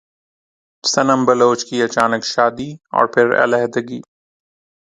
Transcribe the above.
صنم بلوچ کی اچانک شادی اور پھر علیحدگی